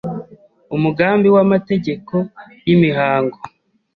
Umugambi w’amategeko y’imihango